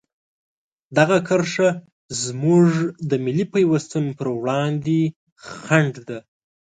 دغه کرښه زموږ د ملي پیوستون په وړاندې خنډ ده.